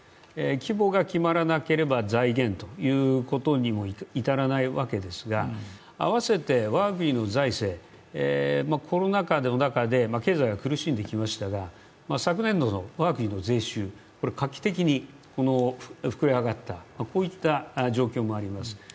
規模が決まらなければ、財源ということにもいたらないわけですが併せて我が国の財政、コロナ禍の中で経済が苦しんできましたが昨年度の我が国の税収、画期的に膨れ上がった、こういった状況もあります。